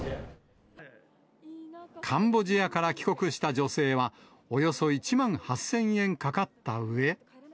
カンボジアから帰国した女性は、およそ１万８０００円かかったうえ。